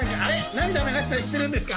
涙流したりしてるんですか？